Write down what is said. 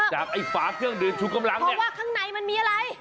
ไอ้ฝาเครื่องดื่มชูกำลังเนี่ยว่าข้างในมันมีอะไร